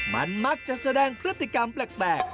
มันมักจะแสดงพฤติกรรมแปลก